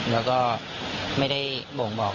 แล้วก็ไม่ได้บ่งบอก